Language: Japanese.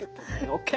「ＯＫ！